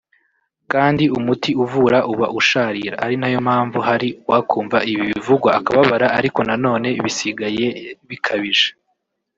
kandi umuti uvura uba usharira ari nayo mpamvu hari uwakumva ibi bivugwa akababara ariko nanone bisigaye bikabije